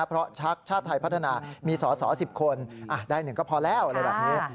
เพราะชาติไทยพัฒนามีสอสอสิบคนได้หนึ่งก็พอแล้วอะไรแบบนี้